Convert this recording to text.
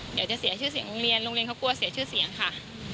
เดี๋ยวจะเสียชื่อเสียงโรงเรียนโรงเรียนเขากลัวเสียชื่อเสียงค่ะ